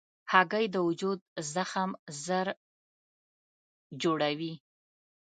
هګۍ د وجود زخم ژر جوړوي.